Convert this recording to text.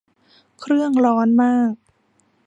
เครื่องร้อนมาก